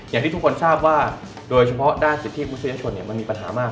อย่างที่ทุกคนทราบว่าโดยเฉพาะด้านสิทธิมนุษยชนมันมีปัญหามาก